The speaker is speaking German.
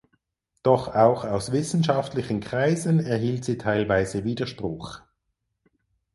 Doch auch aus wissenschaftlichen Kreisen erhielt sie teilweise Widerspruch.